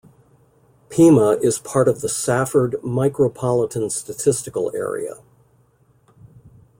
Pima is part of the Safford Micropolitan Statistical Area.